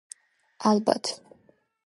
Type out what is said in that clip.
ალბათ